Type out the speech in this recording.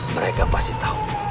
mereka pasti tahu